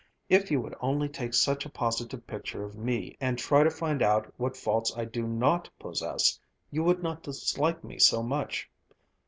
If you would only take such a positive picture of me and try and find out what faults I do not possess, you would not dislike me so much.